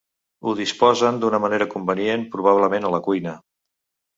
Ho disposen d'una manera convenient, probablement a la cuina.